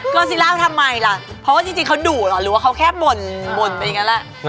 ก็ซิล่าทำไมล่ะเพราะว่าจริงเขาดุเหรอหรือว่าเขาแค่บ่นไปอย่างนั้นแหละ